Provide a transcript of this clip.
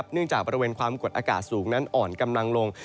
เนื่องจากบริเวณความกดอากาศสูงนั้นอ่อนกำลังลง